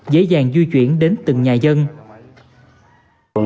dễ dàng di chuyển đến từng nhà dân